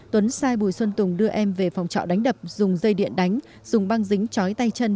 tuấn sai bùi xuân tùng đưa em về phòng trọ đánh đập dùng dây điện đánh dùng băng dính chói tay chân